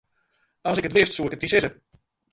As ik it wist, soe ik it dy sizze.